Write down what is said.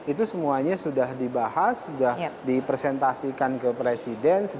itu semuanya sudah dibuat oleh kementerian pertahanan